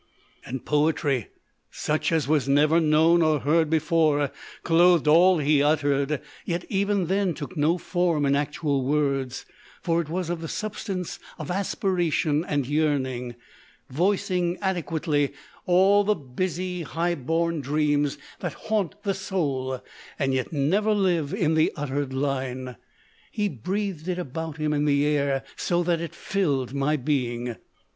And poetry such as was never known or heard before clothed all he uttered, yet even then took no form in actual words, for it was of the substance of * aspiration and yearning, voicing adequately all the busy, high born dreams that haunt the soul yet never live in the uttered line. He breathed it about him 270 THE OLD MAN OP VISIONS in the air so that it filled my being.